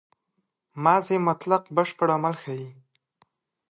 ماضي مطلق بشپړ عمل ښيي.